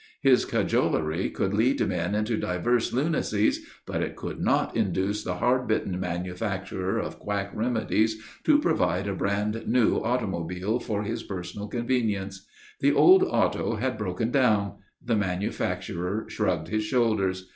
His cajolery could lead men into diverse lunacies, but it could not induce the hard bitten manufacturer of quack remedies to provide a brand new automobile for his personal convenience. The old auto had broken down. The manufacturer shrugged his shoulders.